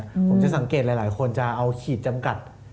ผมจะสังเกตหลายคนจะเอาขีดจำกัด